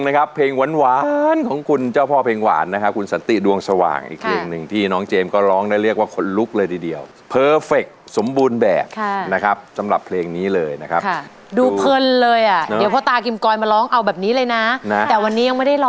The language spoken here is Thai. ขอแม่ของขาช่วยรักษาหัวใจ